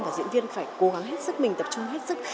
và diễn viên phải cố gắng hết sức mình tập trung hết sức